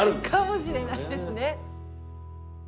かもしれないですね。